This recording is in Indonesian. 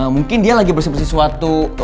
mungkin dia lagi bersih bersih suatu